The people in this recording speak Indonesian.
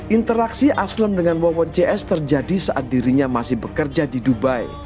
interaksi aslem dengan wawon cs terjadi saat dirinya masih bekerja di dubai